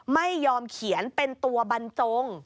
ไม่ยอมเขียนเป็นตัวบรรจง